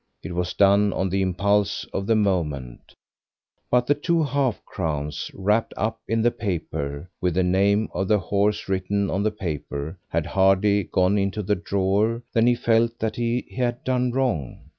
It was done on the impulse of the moment, but the two half crowns wrapped up in the paper, with the name of the horse written on the paper, had hardly gone into the drawer than he felt that he had done wrong.